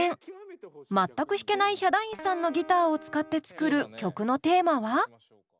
全く弾けないヒャダインさんのギターを使って作る曲のテーマは？